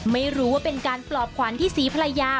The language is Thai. ไม่รู้ว่าเป็นการปลอบขวัญที่ศรีภรรยา